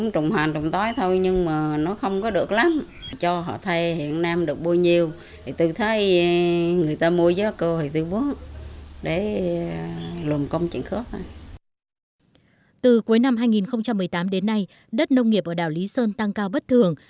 từ cuối năm hai nghìn một mươi tám đến nay đất nông nghiệp ở đảo lý sơn tăng cao bất thường